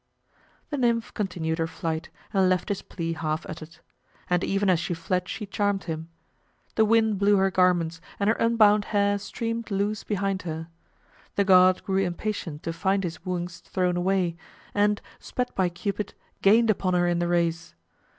The nymph continued her flight, and left his plea half uttered. And even as she fled she charmed him. The wind blew her garments, and her unbound hair streamed loose behind her. The god grew impatient to find his wooings thrown away, and, sped by Cupid, gained upon her in the race.